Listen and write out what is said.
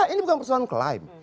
ini bukan persoalan klaim